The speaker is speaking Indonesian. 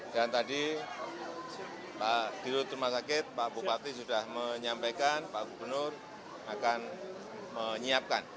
dan tadi di rumah sakit pak bupati sudah menyampaikan pak gubernur akan menyiapkan